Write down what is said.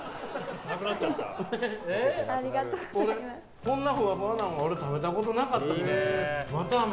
こんなふわふわなの俺、食べたことなかったです。